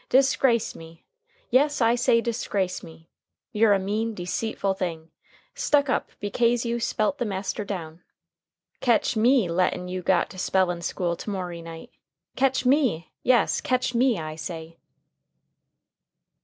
Disgrace me! Yes, I say disgrace me! You're a mean, deceitful thing. Stuck up bekase you spelt the master down. Ketch me lettin' you got to spellin' school to morry night! Ketch ME! Yes, ketch ME, I say!"